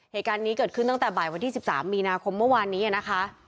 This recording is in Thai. เหตุการณ์นี้เกิดขึ้นตั้งแต่บ่ายวันที่๑๓มีนาคมเมื่อวานนี้นะคะ